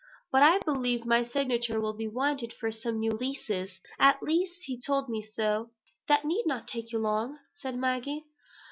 But I believe my signature will be wanted for some new leases; at least he told me so." "That need not take you long," said Maggie.